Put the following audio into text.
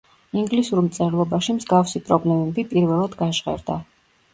ინგლისურ მწერლობაში მსგავსი პრობლემები პირველად გაჟღერდა.